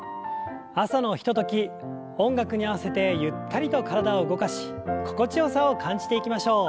朝のひととき音楽に合わせてゆったりと体を動かし心地よさを感じていきましょう。